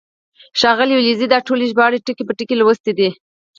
ښاغلي ولیزي دا ټولې ژباړې ټکی په ټکی لوستې دي.